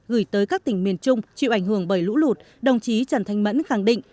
gửi tới các tỉnh miền trung chịu ảnh hưởng bởi lũ lụt đồng chí trần thanh mẫn khẳng định